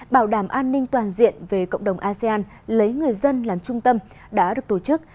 bảo đảm an ninh toàn diện về cộng đồng asean lấy người dân làm trung tâm đã được tổ chức